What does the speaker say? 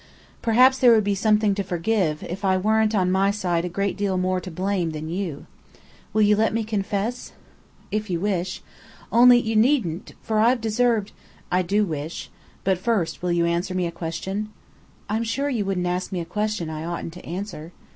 "Perhaps there would be something to forgive, if I weren't on my side a great deal more to blame than you. Will you let me confess?" "If you wish. Otherwise, you needn't. For I've deserved " "I do wish. But first, will you answer me a question?" "I'm sure you wouldn't ask me a question I oughtn't to answer."